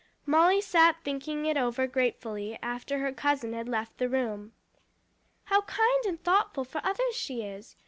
Molly sat thinking it over gratefully, after her cousin had left the room. "How kind and thoughtful for others she is!